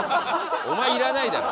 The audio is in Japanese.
お前いらないだろ！